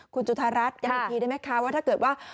คุณจุธารัฐอย่างหนึ่งทีได้ไหมคะว่าถ้าเกิดว่า